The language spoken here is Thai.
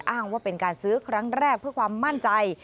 อ้างว่าเป็นการซื้อครั้งแรกเพื่อความมั่นใจ